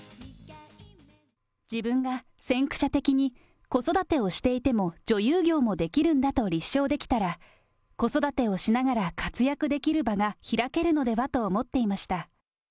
自分が先駆者的に子育てをしていても、女優業もできるんだと立証できたら、子育てをしながら活躍できる場が開けるのではと思っていました。